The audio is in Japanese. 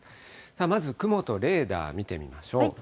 まず雲とレーダー、見てみましょう。